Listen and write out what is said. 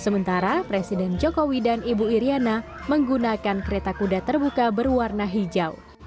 sementara presiden jokowi dan ibu iryana menggunakan kereta kuda terbuka berwarna hijau